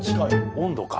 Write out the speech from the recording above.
温度か。